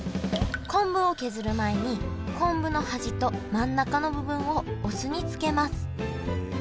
昆布を削る前に昆布の端と真ん中の部分をお酢に漬けます。